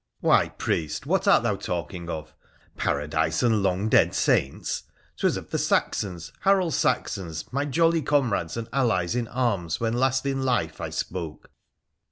'Why, priest, what art thou talking of? — Paradise and long dead saints ? 'Twas of the Saxons — Harold's Saxons — my jolly comrades and allies in arms when last in life, I spoke.'